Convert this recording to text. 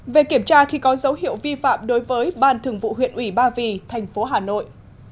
một về kiểm tra khi có dấu hiệu vi phạm đối với ban thường vụ huyện ủy ba vì thành phố hà nội